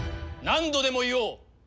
何度でも言おう。